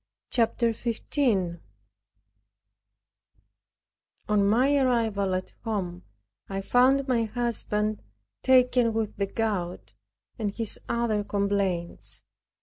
CHAPTER 15 On my arrival at home, I found my husband taken with the gout, and his other complaints.